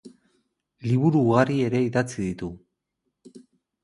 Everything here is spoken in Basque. Liburu ugari ere idatzi ditu.